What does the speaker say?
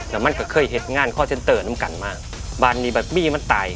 แล้วมันก็เคยเห็นงานข้อเช็นเติมต้องกันมากบ้านนี้บัดมี่มันตาย